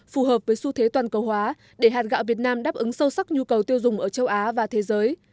phù hợp với xu thế toàn cầu hóa để hạt gạo việt nam đáp ứng sâu sắc nhu cầu tiêu dùng ở châu á và thế giới